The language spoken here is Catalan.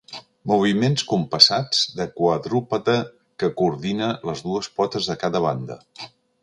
Moviments compassats de quadrúpede que coordina les dues potes de cada banda.